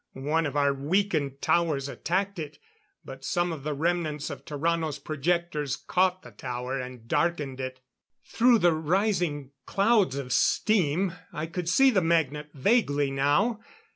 One of our weakened towers attacked it; but some of the remnants of Tarrano's projectors caught the tower and darkened it. Through the rising clouds of steam I could see the magnet vaguely now.